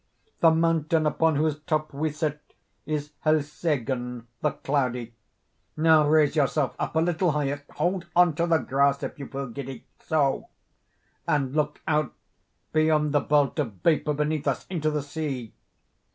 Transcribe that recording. The mountain upon whose top we sit is Helseggen, the Cloudy. Now raise yourself up a little higher—hold on to the grass if you feel giddy—so—and look out, beyond the belt of vapor beneath us, into the sea."